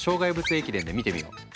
駅伝で見てみよう。